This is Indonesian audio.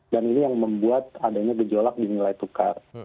dan ini yang membuat adanya gejolak di nilai tukar